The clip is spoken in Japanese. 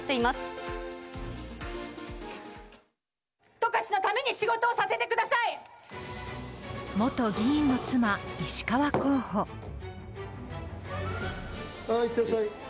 十勝のために仕事をさせてく元議員の妻、石川候補。いってらっしゃい。